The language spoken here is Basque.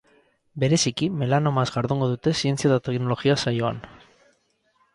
Bereziki melanomaz jardungo dute zientzia eta teknologia saioan.